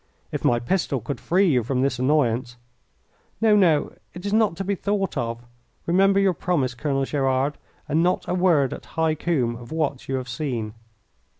"If my pistol could free you from this annoyance " "No, no, it is not to be thought of. Remember your promise, Colonel Gerard. And not a word at High Combe of what you have seen!"